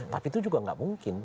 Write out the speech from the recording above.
tapi itu juga nggak mungkin